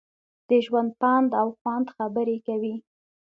د ژوند، پند او خوند خبرې کوي.